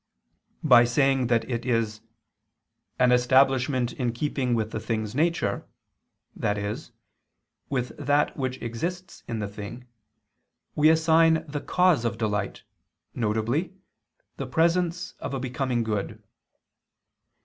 By saying that it is "an establishing in keeping with the thing's nature," i.e. with that which exists in the thing, we assign the cause of delight, viz. the presence of a becoming good.